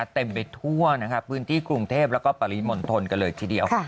เต็มไปทั่วนะครับพื้นที่กรุงเทพแล้วก็ปริมณฑลกันเลยทีเดียว